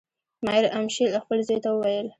مایر امشیل خپل زوی ته وویل.